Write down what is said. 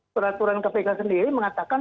peraturan kpk sendiri mengatakan